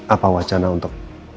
apa wacana untuk